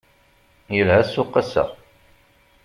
Yelha ssuq ass-a.